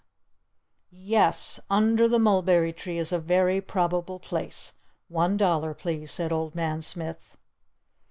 Yes! Under the Mulberry Tree is a very Probable Place! One dollar, please!" said Old Man Smith.